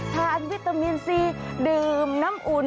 วิตามินซีดื่มน้ำอุ่น